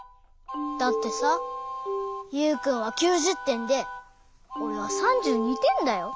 だってさユウくんは９０てんでおれは３２てんだよ。